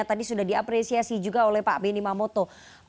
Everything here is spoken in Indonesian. tadi sudah diapresiasi juga oleh pak benny mamoto